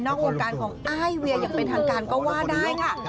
วงการของอ้ายเวียอย่างเป็นทางการก็ว่าได้ค่ะ